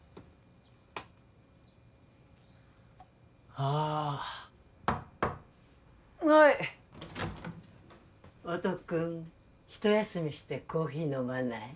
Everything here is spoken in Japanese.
はあっはい音くんひと休みしてコーヒー飲まない？